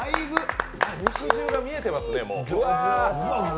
肉汁が見えてますね。